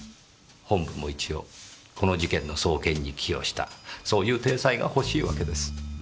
本部も一応この事件の送検に寄与したそういう体裁が欲しいわけです。